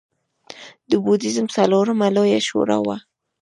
د بودیزم څلورمه لویه شورا وه